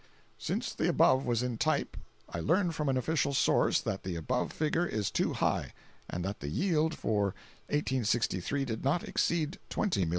[Since the above was in type, I learn from an official source that the above figure is too high, and that the yield for 1863 did not exceed $20,000,000.